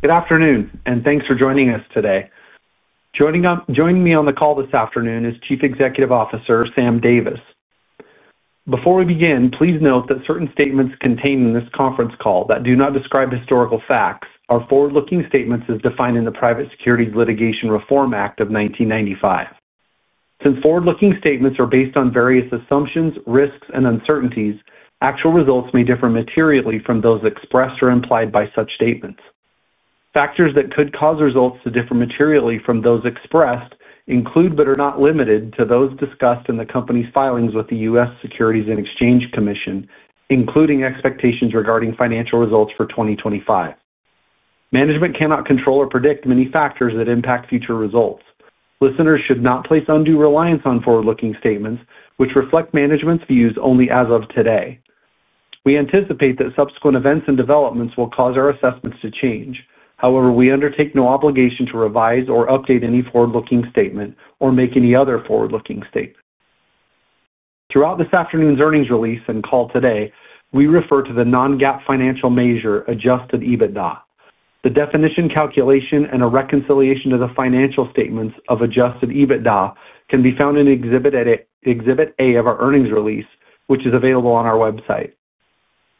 Good afternoon, and thanks for joining us today. Joining me on the call this afternoon is Chief Executive Officer Sam Davis. Before we begin, please note that certain statements contained in this conference call that do not describe historical facts are forward-looking statements as defined in the Private Securities Litigation Reform Act of 1995. Since forward-looking statements are based on various assumptions, risks, and uncertainties, actual results may differ materially from those expressed or implied by such statements. Factors that could cause results to differ materially from those expressed include but are not limited to those discussed in the company's filings with the U.S. Securities and Exchange Commission, including expectations regarding financial results for 2025. Management cannot control or predict many factors that impact future results. Listeners should not place undue reliance on forward-looking statements, which reflect management's views only as of today. We anticipate that subsequent events and developments will cause our assessments to change. However, we undertake no obligation to revise or update any forward-looking statement or make any other forward-looking statement. Throughout this afternoon's earnings release and call today, we refer to the Non-GAAP financial measure, Adjusted EBITDA. The definition, calculation, and a reconciliation to the financial statements of Adjusted EBITDA can be found in Exhibit A of our earnings release, which is available on our website.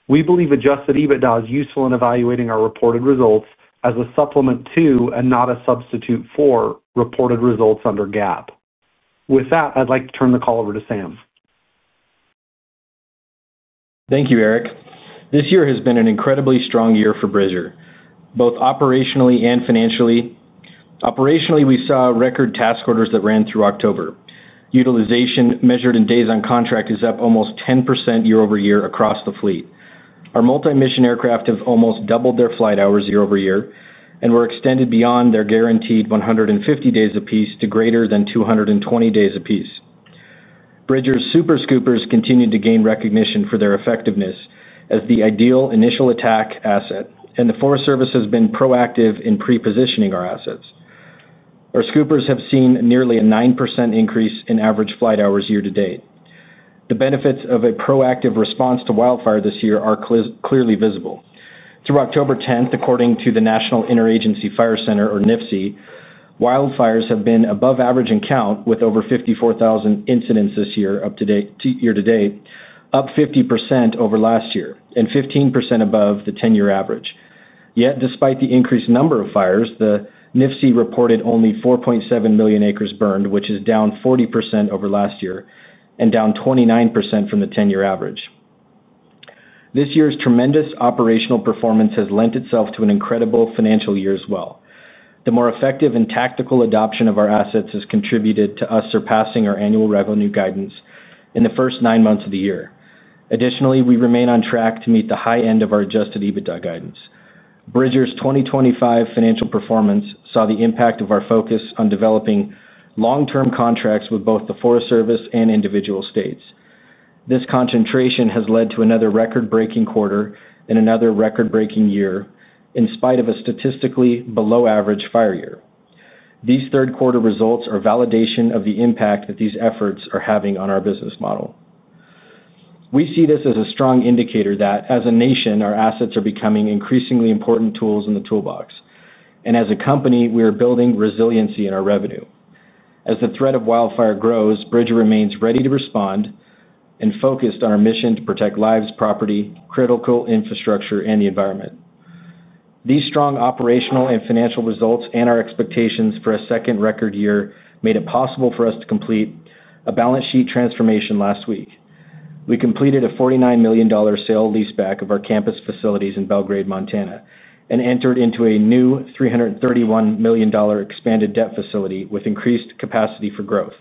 We believe Adjusted EBITDA is useful in evaluating our reported results as a supplement to and not a substitute for reported results under GAAP. With that, I'd like to turn the call over to Sam. Thank you, Eric. This year has been an incredibly strong year for Bridger, both operationally and financially. Operationally, we saw record task orders that ran through October. Utilization measured in days on contract is up almost 10% year-over-year across the fleet. Our multi-mission aircraft have almost doubled their flight hours year-over-year, and were extended beyond their guaranteed 150 days apiece to greater than 220 days apiece. Bridger's super scoopers continue to gain recognition for their effectiveness as the ideal initial attack asset, and the Forest Service has been proactive in pre-positioning our assets. Our scoopers have seen nearly a 9% increase in average flight hours year to date. The benefits of a proactive response to wildfire this year are clearly visible. Through October 10th, according to the National Interagency Fire Center, or NIFC, wildfires have been above average in count, with over 54,000 incidents this year to date, up 50% over last year and 15% above the 10-year average. Yet, despite the increased number of fires, the NIFC reported only 4.7 million acres burned, which is down 40% over last year and down 29% from the 10-year average. This year's tremendous operational performance has lent itself to an incredible financial year as well. The more effective and tactical adoption of our assets has contributed to us surpassing our annual revenue guidance in the first nine months of the year. Additionally, we remain on track to meet the high end of our Adjusted EBITDA guidance. Bridger's 2025 financial performance saw the impact of our focus on developing long-term contracts with both the Forest Service and individual states. This concentration has led to another record-breaking quarter and another record-breaking year in spite of a statistically below-average fire year. These third-quarter results are validation of the impact that these efforts are having on our business model. We see this as a strong indicator that, as a nation, our assets are becoming increasingly important tools in the toolbox, and as a company, we are building resiliency in our revenue. As the threat of wildfire grows, Bridger remains ready to respond. Focused on our mission to protect lives, property, critical infrastructure, and the environment. These strong operational and financial results and our expectations for a second record year made it possible for us to complete a balance sheet transformation last week. We completed a $49 million sale leaseback of our campus facilities in Belgrade, Montana, and entered into a new $331 million expanded debt facility with increased capacity for growth.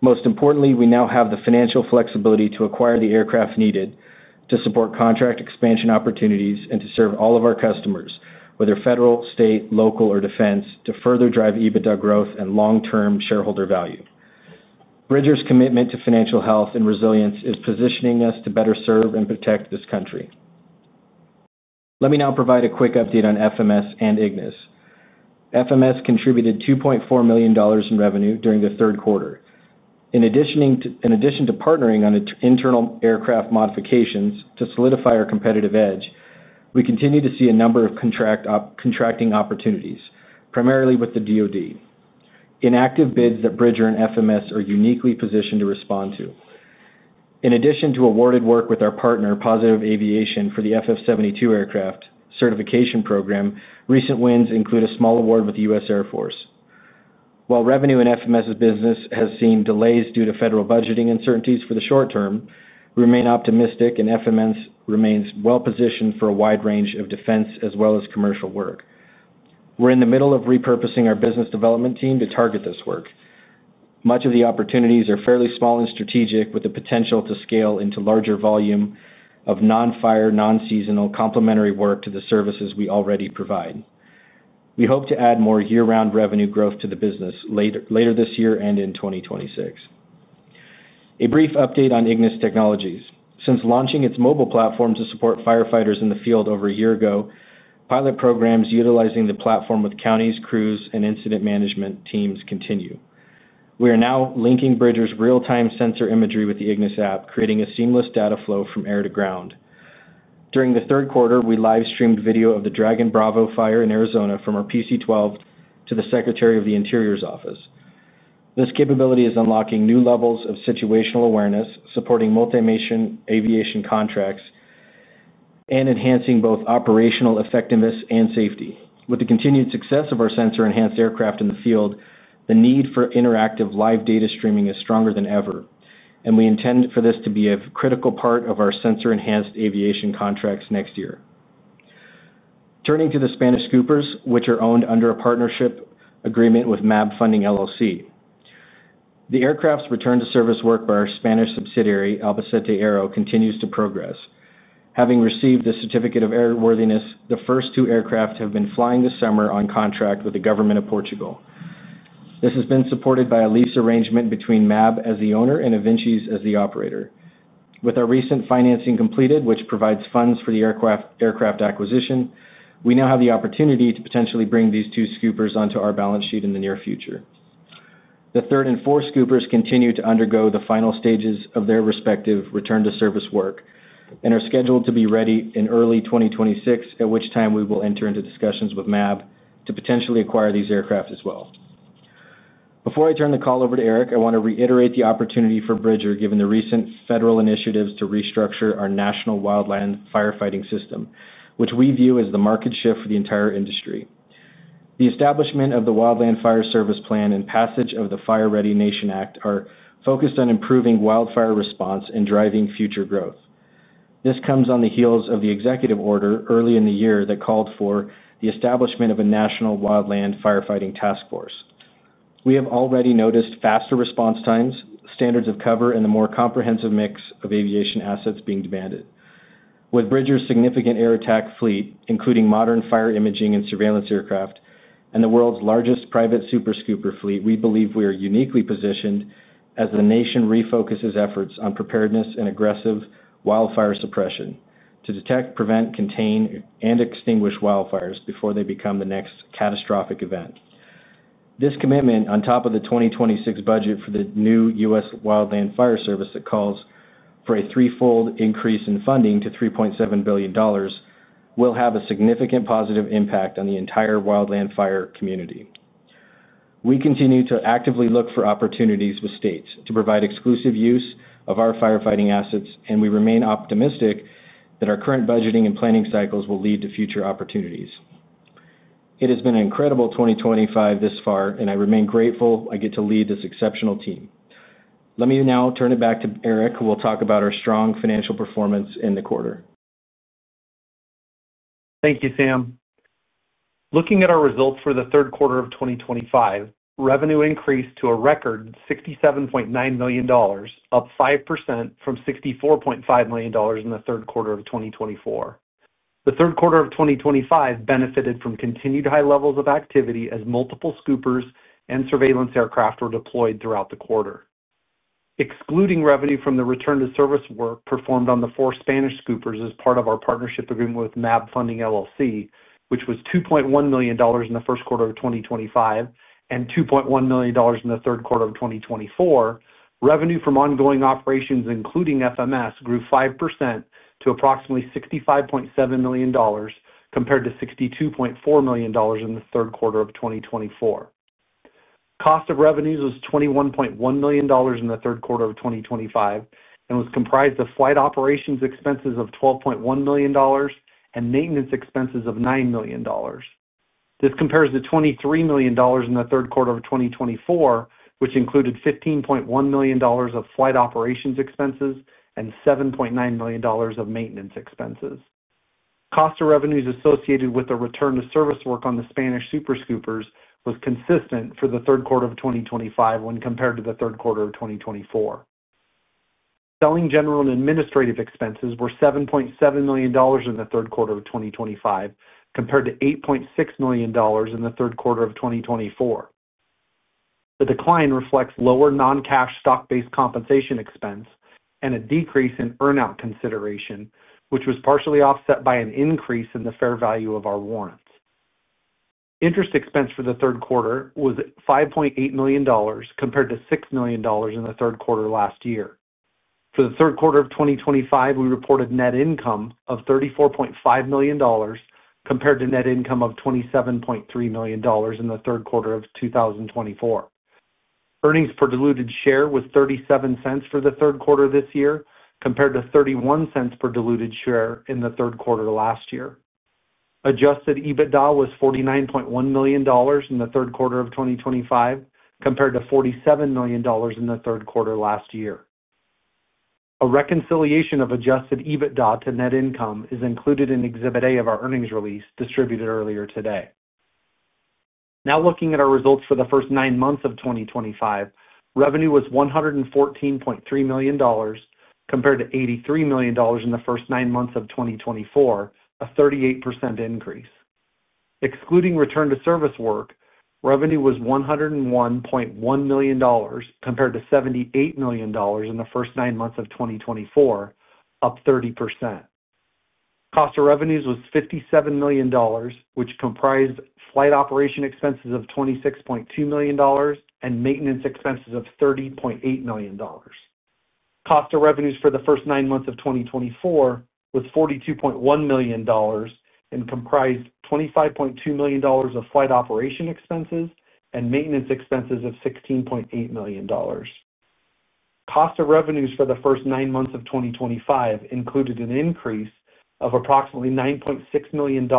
Most importantly, we now have the financial flexibility to acquire the aircraft needed to support contract expansion opportunities and to serve all of our customers, whether federal, state, local, or defense, to further drive EBITDA growth and long-term shareholder value. Bridger's commitment to financial health and resilience is positioning us to better serve and protect this country. Let me now provide a quick update on FMS and Ignis. FMS contributed $2.4 million in revenue during the third quarter. In addition to partnering on internal aircraft modifications to solidify our competitive edge, we continue to see a number of contracting opportunities, primarily with the DOD. Inactive bids that Bridger and FMS are uniquely positioned to respond to. In addition to awarded work with our partner, Positive Aviation, for the FF-72 aircraft certification program, recent wins include a small award with the U.S. Air Force. While revenue in FMS's business has seen delays due to federal budgeting uncertainties for the short term, we remain optimistic and FMS remains well-positioned for a wide range of defense as well as commercial work. We're in the middle of repurposing our business development team to target this work. Much of the opportunities are fairly small and strategic, with the potential to scale into larger volume of non-fire, non-seasonal complementary work to the services we already provide. We hope to add more year-round revenue growth to the business later this year and in 2026. A brief update on Ignis Technologies. Since launching its mobile platform to support firefighters in the field over a year ago, pilot programs utilizing the platform with counties, crews, and incident management teams continue. We are now linking Bridger's real-time sensor imagery with the Ignis app, creating a seamless data flow from air to ground. During the third quarter, we live-streamed video of the Dragon Bravo fire in Arizona from our PC-12 to the Secretary of the Interior's office. This capability is unlocking new levels of situational awareness, supporting multi-nation aviation contracts, and enhancing both operational effectiveness and safety. With the continued success of our sensor-enhanced aircraft in the field, the need for interactive live data streaming is stronger than ever, and we intend for this to be a critical part of our sensor-enhanced aviation contracts next year. Turning to the Spanish scoopers, which are owned under a partnership agreement with MAB Funding LLC, the aircraft's return-to-service work by our Spanish subsidiary, Albacete Aero, continues to progress. Having received the certificate of airworthiness, the first two aircraft have been flying this summer on contract with the government of Portugal. This has been supported by a lease arrangement between MAB as the owner and Avincis as the operator. With our recent financing completed, which provides funds for the aircraft acquisition, we now have the opportunity to potentially bring these two scoopers onto our balance sheet in the near future. The third and fourth scoopers continue to undergo the final stages of their respective return-to-service work and are scheduled to be ready in early 2026, at which time we will enter into discussions with MAB to potentially acquire these aircraft as well. Before I turn the call over to Eric, I want to reiterate the opportunity for Bridger, given the recent federal initiatives to restructure our national wildland firefighting system, which we view as the market shift for the entire industry. The establishment of the Wildland Fire Service Plan and passage of the Fire Ready Nation Act are focused on improving wildfire response and driving future growth. This comes on the heels of the executive order early in the year that called for the establishment of a national wildland firefighting task force. We have already noticed faster response times, standards of cover, and the more comprehensive mix of aviation assets being demanded. With Bridger's significant air attack fleet, including modern fire imaging and surveillance aircraft and the world's largest private super scooper fleet, we believe we are uniquely positioned as the nation refocuses efforts on preparedness and aggressive wildfire suppression to detect, prevent, contain, and extinguish wildfires before they become the next catastrophic event. This commitment, on top of the 2026 budget for the new U.S. Wildland Fire Service that calls for a threefold increase in funding to $3.7 billion. Will have a significant positive impact on the entire wildland fire community. We continue to actively look for opportunities with states to provide exclusive use of our firefighting assets, and we remain optimistic that our current budgeting and planning cycles will lead to future opportunities. It has been an incredible 2025 this far, and I remain grateful I get to lead this exceptional team. Let me now turn it back to Eric, who will talk about our strong financial performance in the quarter. Thank you, Sam. Looking at our results for the third quarter of 2025, revenue increased to a record $67.9 million, up 5% from $64.5 million in the third quarter of 2024. The third quarter of 2025 benefited from continued high levels of activity as multiple scoopers and surveillance aircraft were deployed throughout the quarter. Excluding revenue from the return-to-service work performed on the four Spanish scoopers as part of our partnership agreement with MAB Funding LLC, which was $2.1 million in the first quarter of 2025 and $2.1 million in the third quarter of 2024, revenue from ongoing operations, including FMS, grew 5% to approximately $65.7 million compared to $62.4 million in the third quarter of 2024. Cost of revenues was $21.1 million in the third quarter of 2025 and was comprised of flight operations expenses of $12.1 million and maintenance expenses of $9 million. This compares to $23 million in the third quarter of 2024, which included $15.1 million of flight operations expenses and $7.9 million of maintenance expenses. Cost of revenues associated with the return-to-service work on the Spanish Super Scoopers was consistent for the third quarter of 2025 when compared to the third quarter of 2024. Selling, general, and administrative expenses were $7.7 million in the third quarter of 2025 compared to $8.6 million in the third quarter of 2024. The decline reflects lower non-cash stock-based compensation expense and a decrease in earnout consideration, which was partially offset by an increase in the fair value of our warrants. Interest expense for the third quarter was $5.8 million compared to $6 million in the third quarter last year. For the third quarter of 2025, we reported net income of $34.5 million compared to net income of $27.3 million in the third quarter of 2024. Earnings per diluted share was $0.37 for the third quarter this year compared to $0.31 per diluted share in the third quarter last year. Adjusted EBITDA was $49.1 million in the third quarter of 2025 compared to $47 million in the third quarter last year. A reconciliation of Adjusted EBITDA to net income is included in Exhibit A of our earnings release distributed earlier today. Now looking at our results for the first nine months of 2025, revenue was $114.3 million compared to $83 million in the first nine months of 2024, a 38% increase. Excluding return-to-service work, revenue was $101.1 million compared to $78 million in the first nine months of 2024, up 30%. Cost of revenues was $57 million, which comprised flight operation expenses of $26.2 million and maintenance expenses of $30.8 million. Cost of revenues for the first nine months of 2024 was $42.1 million. It comprised $25.2 million of flight operation expenses and maintenance expenses of $16.8 million. Cost of revenues for the first nine months of 2025 included an increase of approximately $9.6 million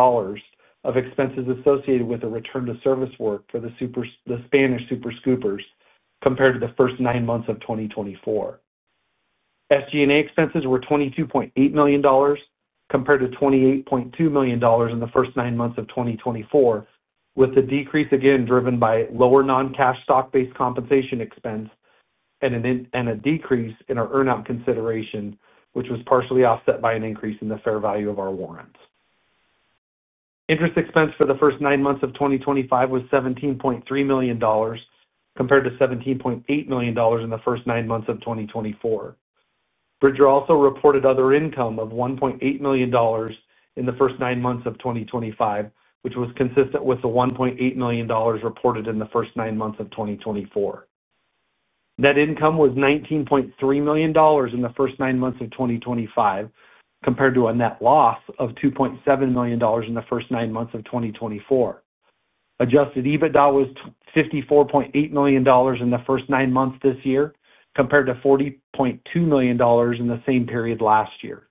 of expenses associated with the return-to-service work for the Spanish Super Scoopers compared to the first nine months of 2024. SG&A expenses were $22.8 million compared to $28.2 million in the first nine months of 2024, with the decrease again driven by lower non-cash stock-based compensation expense and a decrease in our earnout consideration, which was partially offset by an increase in the fair value of our warrants. Interest expense for the first nine months of 2025 was $17.3 million. Compared to $17.8 million in the first nine months of 2024. Bridger also reported other income of $1.8 million. In the first nine months of 2025, which was consistent with the $1.8 million reported in the first nine months of 2024. Net income was $19.3 million in the first nine months of 2025 compared to a net loss of $2.7 million in the first nine months of 2024. Adjusted EBITDA was $54.8 million in the first nine months this year compared to $40.2 million in the same period last year.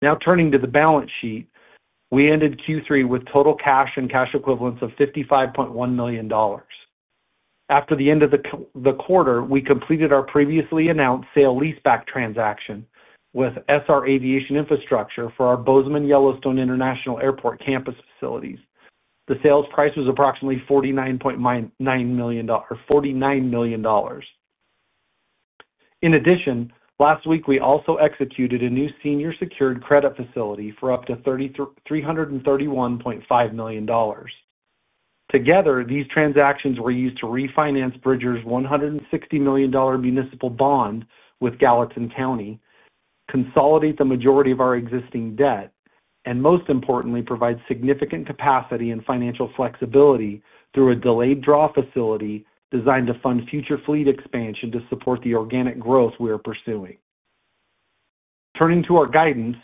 Now turning to the balance sheet, we ended Q3 with total cash and cash equivalents of $55.1 million. After the end of the quarter, we completed our previously announced sale leaseback transaction with SR Aviation Infrastructure for our Bozeman Yellowstone International Airport campus facilities. The sales price was approximately $49.9 million. In addition, last week we also executed a new senior secured credit facility for up to $331.5 million. Together, these transactions were used to refinance Bridger's $160 million municipal bond with Gallatin County, consolidate the majority of our existing debt, and most importantly, provide significant capacity and financial flexibility through a delayed draw facility designed to fund future fleet expansion to support the organic growth we are pursuing. Turning to our guidance,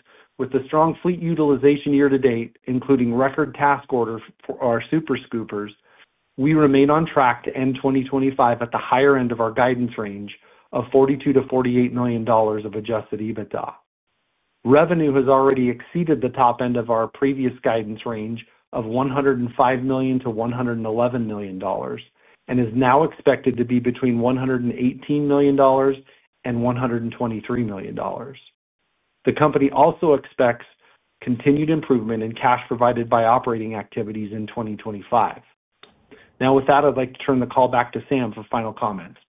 with the strong fleet utilization year to date, including record task order for our super scoopers, we remain on track to end 2025 at the higher end of our guidance range of $42 million-$48 million of Adjusted EBITDA. Revenue has already exceeded the top end of our previous guidance range of $105 million-$111 million and is now expected to be between $118 million and $123 million. The company also expects continued improvement in cash provided by operating activities in 2025. Now with that, I'd like to turn the call back to Sam for final comments.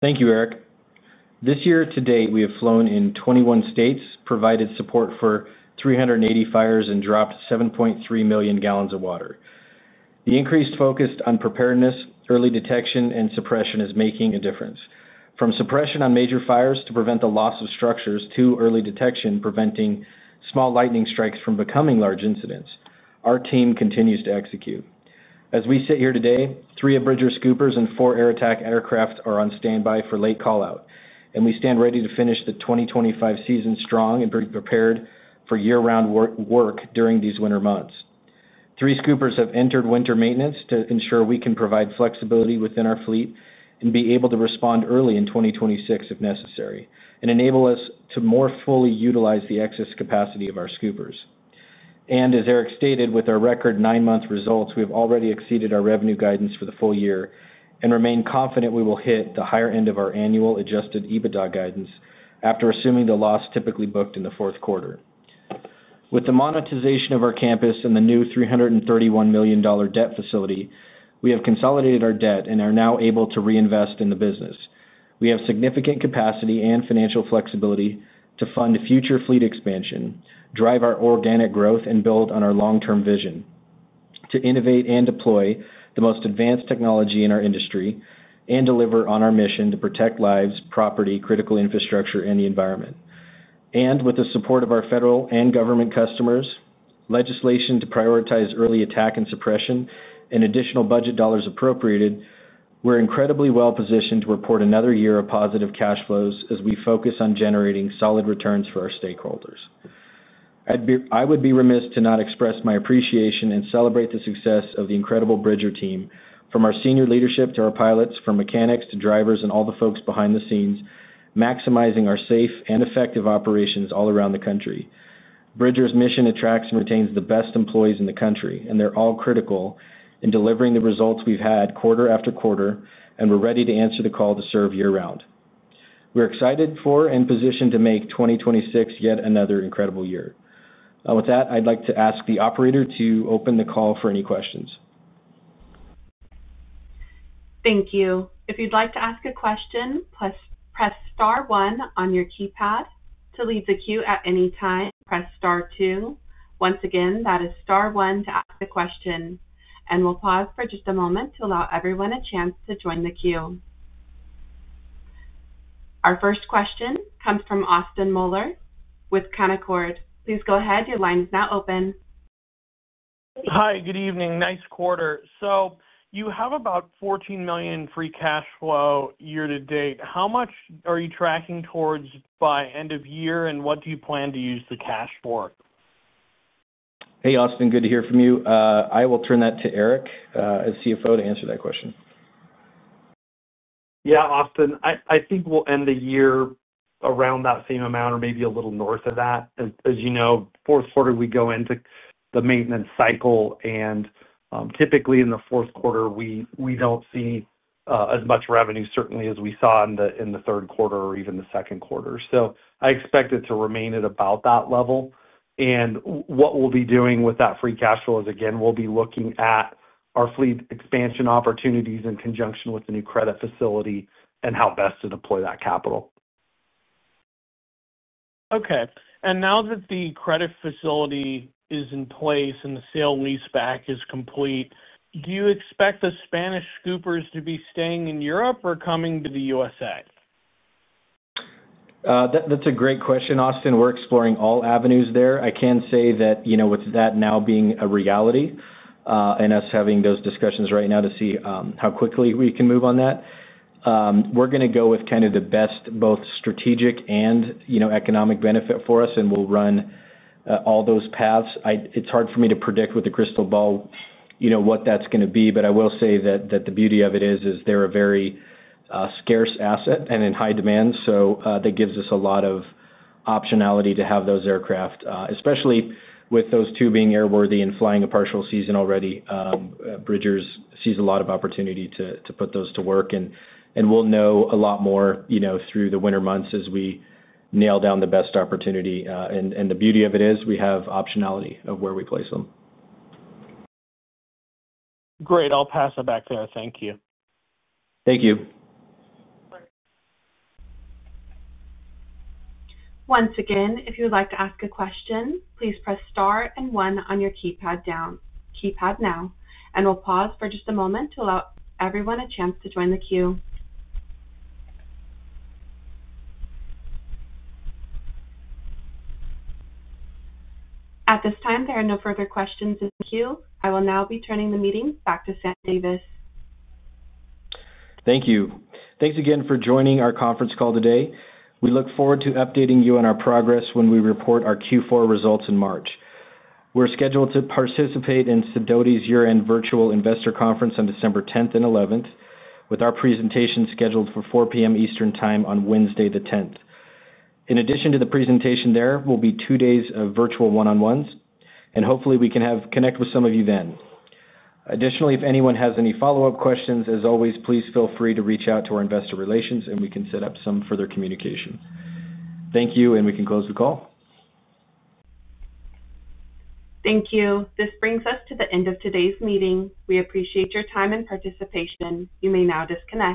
Thank you, Eric. This year to date, we have flown in 21 states, provided support for 380 fires, and dropped 7.3 million gallons of water. The increased focus on preparedness, early detection, and suppression is making a difference. From suppression on major fires to prevent the loss of structures to early detection, preventing small lightning strikes from becoming large incidents, our team continues to execute. As we sit here today, three of Bridger's scoopers and four air attack aircraft are on standby for late callout, and we stand ready to finish the 2025 season strong and be prepared for year-round work during these winter months. Three scoopers have entered winter maintenance to ensure we can provide flexibility within our fleet and be able to respond early in 2026 if necessary and enable us to more fully utilize the excess capacity of our scoopers. As Eric stated, with our record nine-month results, we have already exceeded our revenue guidance for the full year and remain confident we will hit the higher end of our annual Adjusted EBITDA guidance after assuming the loss typically booked in the fourth quarter. With the monetization of our campus and the new $331 million debt facility, we have consolidated our debt and are now able to reinvest in the business. We have significant capacity and financial flexibility to fund future fleet expansion, drive our organic growth, and build on our long-term vision to innovate and deploy the most advanced technology in our industry and deliver on our mission to protect lives, property, critical infrastructure, and the environment. With the support of our federal and government customers, legislation to prioritize early attack and suppression, and additional budget dollars appropriated, we're incredibly well positioned to report another year of positive cash flows as we focus on generating solid returns for our stakeholders. I would be remiss to not express my appreciation and celebrate the success of the incredible Bridger team, from our senior leadership to our pilots, from mechanics to drivers and all the folks behind the scenes, maximizing our safe and effective operations all around the country. Bridger's mission attracts and retains the best employees in the country, and they're all critical in delivering the results we've had quarter after quarter, and we're ready to answer the call to serve year-round. We're excited for and positioned to make 2026 yet another incredible year. With that, I'd like to ask the operator to open the call for any questions. Thank you. If you'd like to ask a question, press star one on your keypad to leave the queue at any time, press star two. Once again, that is star one to ask a question. We'll pause for just a moment to allow everyone a chance to join the queue. Our first question comes from Austin Moeller with Canaccord. Please go ahead. Your line is now open. Hi, good evening. Nice quarter. You have about $14 million in free cash flow year to date. How much are you tracking towards by end of year, and what do you plan to use the cash for? Hey, Austin. Good to hear from you. I will turn that to Eric as CFO to answer that question. Yeah, Austin. I think we'll end the year around that same amount or maybe a little north of that. As you know, fourth quarter, we go into the maintenance cycle, and typically in the fourth quarter, we don't see as much revenue, certainly, as we saw in the third quarter or even the second quarter. I expect it to remain at about that level. What we'll be doing with that free cash flow is, again, we'll be looking at our fleet expansion opportunities in conjunction with the new credit facility and how best to deploy that capital. Okay. Now that the credit facility is in place and the sale leaseback is complete, do you expect the Spanish scoopers to be staying in Europe or coming to the U.S.? That's a great question, Austin. We're exploring all avenues there. I can say that with that now being a reality and us having those discussions right now to see how quickly we can move on that. We're going to go with kind of the best both strategic and economic benefit for us, and we'll run all those paths. It's hard for me to predict with a crystal ball what that's going to be, but I will say that the beauty of it is they're a very scarce asset and in high demand. That gives us a lot of optionality to have those aircraft, especially with those two being airworthy and flying a partial season already. Bridger sees a lot of opportunity to put those to work, and we'll know a lot more through the winter months as we nail down the best opportunity. The beauty of it is we have optionality of where we place them. Great. I'll pass it back there. Thank you. Thank you. Once again, if you would like to ask a question, please press star and one on your keypad now. We will pause for just a moment to allow everyone a chance to join the queue. At this time, there are no further questions in the queue. I will now be turning the meeting back to Sam Davis. Thank you. Thanks again for joining our conference call today. We look forward to updating you on our progress when we report our Q4 results in March. We're scheduled to participate in Sedoti's year-end virtual investor conference on December 10 and 11, with our presentation scheduled for 4:00 P.M. Eastern Time on Wednesday the 10th. In addition to the presentation there, there will be two days of virtual one-on-ones, and hopefully, we can connect with some of you then. Additionally, if anyone has any follow-up questions, as always, please feel free to reach out to our investor relations, and we can set up some further communication. Thank you, and we can close the call. Thank you. This brings us to the end of today's meeting. We appreciate your time and participation. You may now disconnect.